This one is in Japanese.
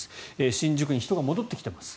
新宿に人が戻ってきています。